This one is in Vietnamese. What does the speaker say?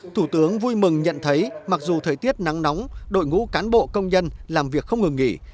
thủ tướng vui mừng nhận thấy mặc dù thời tiết nắng nóng đội ngũ cán bộ công nhân làm việc không ngừng nghỉ